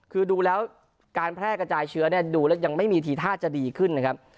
คือดูแล้วการแพร่กระจายเชื้อดูแล้วยังไม่มีทีท่าจะดีขึ้นนะครับ